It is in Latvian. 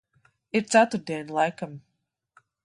Ir ceturtdiena, laikam.